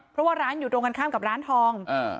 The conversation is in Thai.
เพราะว่าร้านอยู่ตรงกันข้ามกับร้านทอง